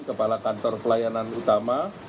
kepala kantor pelayanan utama